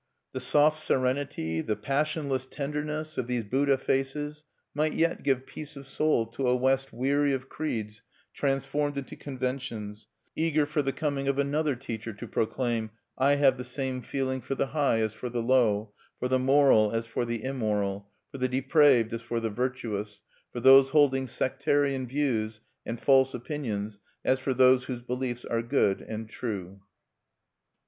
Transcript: The soft serenity, the passionless tenderness, of these Buddha faces might yet give peace of soul to a West weary of creeds transformed into conventions, eager for the coming of another teacher to proclaim, "_I have the same feeling for the high as for the low, for the moral as for the immoral, for the depraved as for the virtuous, for those holding sectarian views and false opinions as for those whose beliefs are good and true_."